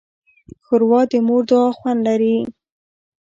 ښوروا د مور د دعا خوند لري.